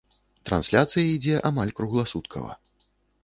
Трансляцыя ідзе амаль кругласуткава.